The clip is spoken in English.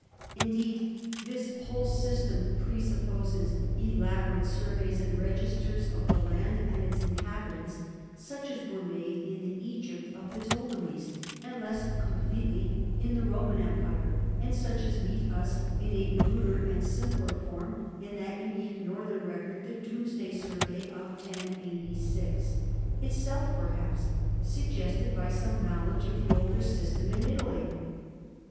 Indeed this whole system presupposes elabo THE NORMAN KINGDOM OF SICILY 229 rate surveys and registers of the land and its inhab itants such as were made in the Egypt of the Ptolemies and, less completely, in the Roman empire, and such as meet us, in a ruder and simpler form, in that unique northern record, the Domesday survey of 1086, itself perhaps suggested by some knowledge of the older sys tem in Italy.